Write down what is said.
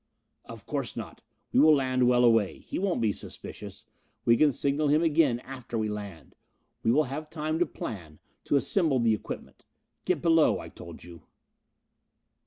"Of course not. We will land well away. He won't be suspicious we can signal him again after we land. We will have time to plan, to assemble the equipment. Get below, I told you."